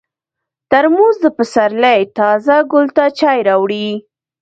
ترموز د پسرلي تازه ګل ته چای راوړي.